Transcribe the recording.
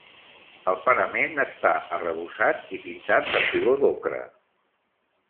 El parament està arrebossat i pintat de color d'ocre.